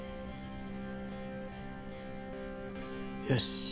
よし。